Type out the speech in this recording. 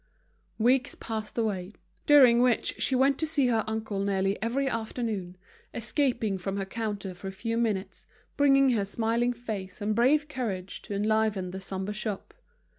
Weeks passed away, during which she went to see her uncle nearly every afternoon, escaping from her counter for a few minutes, bringing her smiling face and brave courage to enliven the sombre shop.